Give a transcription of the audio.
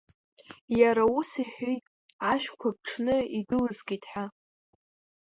Иара ус иҳәит ашәқәа ԥҽны идәылзгеит ҳа.